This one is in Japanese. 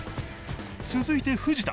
続いて藤田